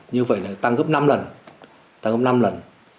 như vậy là tăng gấp năm lần tăng gấp năm lần